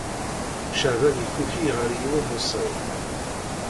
Caɛban yekkuki ɣer yiwen n usɣim.